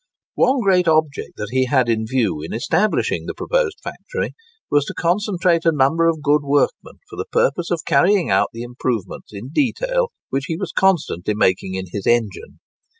One great object that he had in view in establishing the proposed factory was, to concentrate a number of good workmen, for the purpose of carrying out the improvements in detail which he was constantly making in his engine.